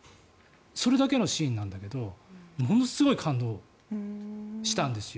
それだけのシーンなんだけどものすごい感動したんですよ。